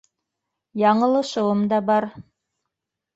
Яңылышыуым да бар.